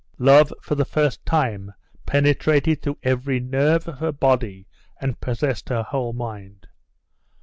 Love for the first time penetrated through every nerve of her body, and possessed her whole mind.